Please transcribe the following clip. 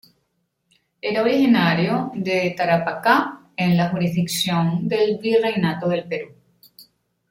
Era originario de Tarapacá, en la jurisdicción del Virreinato del Perú.